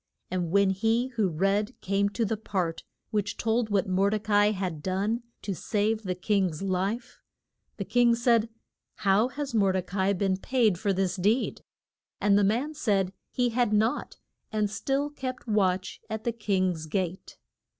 And when he who read came to the part which told what Mor de ca i had done to save the king's life, the king said, How has Mor de ca i been paid for this deed? And the man said he had had nought, and still kept watch at the king's gate.